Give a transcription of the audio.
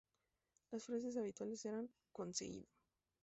Las frases habituales eran "¡conseguido!